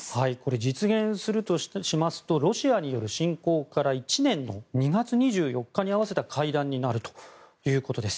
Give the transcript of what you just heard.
実現するとしますとロシアによる侵攻から１年の２月２４日に合わせた会談になるということです。